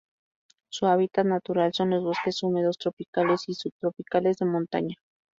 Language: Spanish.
Su hábitat natural son los bosques húmedos tropicales y subtropicales de montaña.